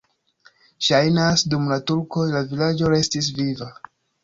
Ŝajnas, dum la turkoj la vilaĝo restis viva.